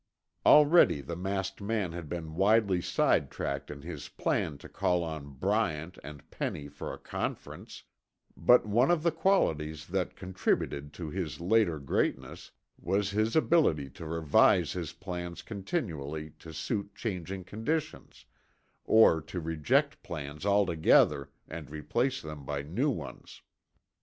Already the masked man had been widely side tracked in his plan to call on Bryant and Penny for a conference, but one of the qualities that contributed to his later greatness was his ability to revise his plans continually to suit changing conditions, or to reject plans altogether and replace them by new ones.